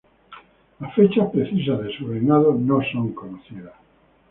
Las fechas precisas de su reinado no son conocidas.